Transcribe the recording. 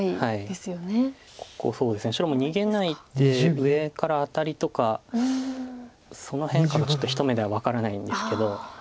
白も逃げないで上からアタリとかその変化はちょっとひと目では分からないんですけど。